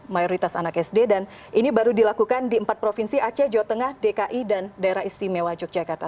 mayoritas anak sd dan ini baru dilakukan di empat provinsi aceh jawa tengah dki dan daerah istimewa yogyakarta